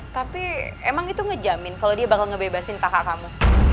tapi emang itu ngejamin kalau dia bakal ngebebasin kakak kamu